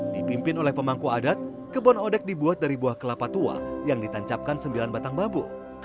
dipimpin oleh pemangku adat kebon odek dibuat dari buah kelapa tua yang ditancapkan sembilan batang bambu